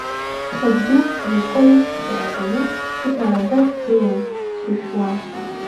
Сабду, инапқәа ишьҭахь иҟаҵаны, ԥыҭраамҭак дгылан, дшәышәуа.